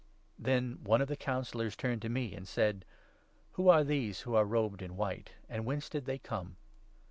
' Then one of the Councillors turned to me and said ' Who 13 are these who are robed in white ? and whence did they come